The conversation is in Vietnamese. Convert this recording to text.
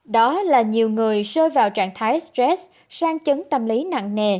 đó là nhiều người rơi vào trạng thái stress sang chấn tâm lý nặng nề